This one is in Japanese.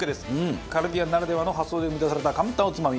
カルディアンならではの発想で生み出されたカウンターおつまみ。